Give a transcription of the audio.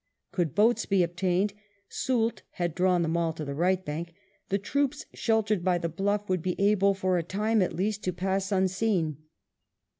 Could boats be obtained — Soult had drawn them all to the right bank — the troops, sheltered by the bluff, would be able for a time at least to pass unseen.